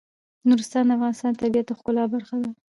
نورستان د افغانستان د طبیعت د ښکلا برخه ده.